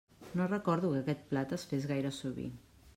No recordo que aquest plat es fes gaire sovint.